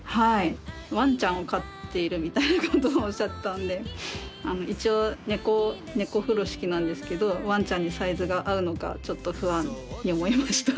ワンちゃんを飼っているみたいなことをおっしゃってたので一応猫風呂敷なんですけどワンちゃんにサイズが合うのかちょっと不安に思いました。